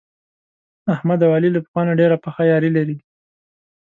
احمد او علي له پخوا نه ډېره پخه یاري لري.